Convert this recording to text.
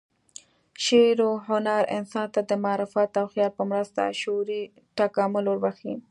شعر و هنر انسان ته د معرفت او خیال په مرسته شعوري تکامل وربخښي.